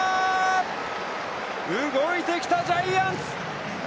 動いてきたジャイアンツ。